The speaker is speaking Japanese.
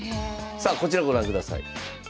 さあこちらご覧ください。